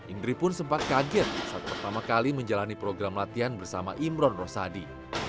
indri pun sempat kaget saat pertama kali menjalani program latihan bersama imron rosadi